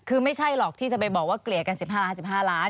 คือไม่ใช่หรอกที่จะไปบอกว่าเกลี่ยกัน๑๕ล้าน๑๕ล้าน